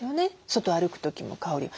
外歩く時も香り。